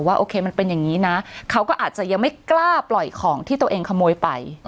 โอเคมันเป็นอย่างนี้นะเขาก็อาจจะยังไม่กล้าปล่อยของที่ตัวเองขโมยไป